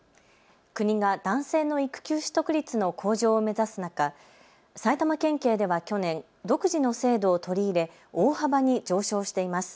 国が男性の育休取得率の向上を目指す中、埼玉県警では去年、独自の制度を取り入れ大幅に上昇しています。